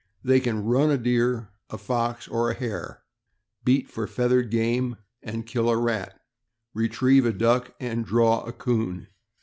They can "run" a deer, a fox, or a hare ; beat for feathered game, and kill a rat, retrieve a duck, and "draw" a 'coon.